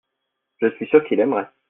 je suis sûr qu'il aimerait.